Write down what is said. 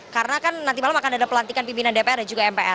karena kan nanti malam akan ada pelantikan pimpinan dpr dan juga mpr